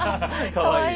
かわいい。